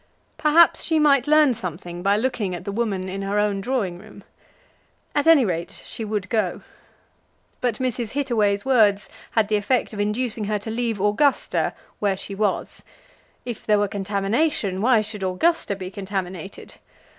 Perhaps she might learn something by looking at the woman in her own drawing room. At any rate she would go. But Mrs. Hittaway's words had the effect of inducing her to leave Augusta where she was. If there were contamination, why should Augusta be contaminated?